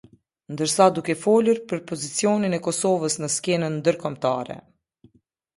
Ndërsa, duke folur për pozicionin e Kosovës në skenën ndërkombtare.